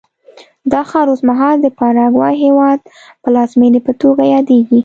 دا ښار اوس مهال د پاراګوای هېواد پلازمېنې په توګه یادېږي.